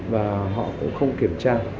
và họ cũng không kiểm tra